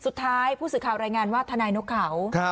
สุดท้ายผู้สื่อข่าวรายงานว่าทนายนกเขา